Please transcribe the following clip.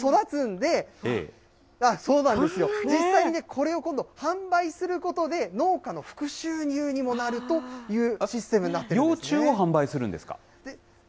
これ、まるまる育つんで、実際にね、これを今度、販売することで、農家の副収入にもなるというシステムになってるんですね。